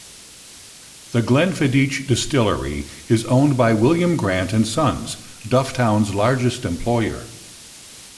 The Glenfiddich distillery is owned by William Grant and Sons, Dufftown's largest employer.